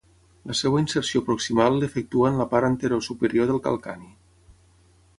La seva inserció proximal l'efectua en la part anterosuperior del calcani.